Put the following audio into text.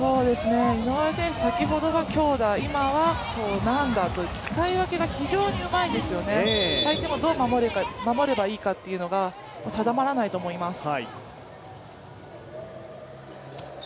井上選手、先ほどは強打今は軟打と、使い分けが非常にうまいですよね、相手もどう守ればいいかというのが定まらないと思います。